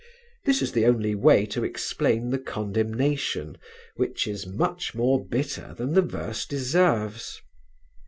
This is the only way to explain the condemnation which is much more bitter than the verse deserves.